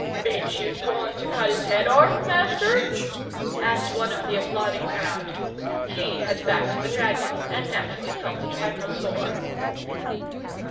"Bain't you goin' to cut 'is 'ed orf, master?" asked one of the applauding crowd. He had backed the dragon, and naturally felt a trifle sore.